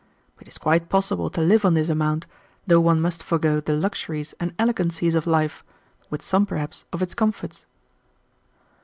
It is quite possible to live on this amount, though one must forego the luxuries and elegancies of life, with some, perhaps, of its comforts."